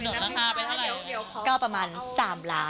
สนุกราคาไปเท่าไร